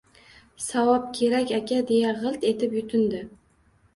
"Savob kerak aka" deya g‘ilt etib yutindi...